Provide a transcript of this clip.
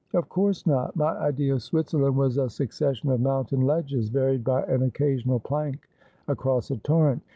' Of course not. My idea of Switzerland was a succession of mountain ledges, varied by an occasional plank across a torrent.